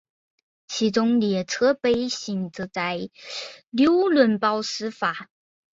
其中列车北行则在纽伦堡始发。